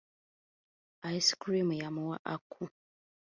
Ice cream yamuwa Aku.